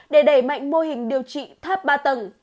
để đẩy mạnh mô hình điều trị tháp ba tầng